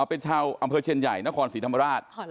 เป็นชาวอำเภอเชียนใหญ่นครศรีธรรมราช